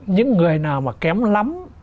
những người nào mà kém lắm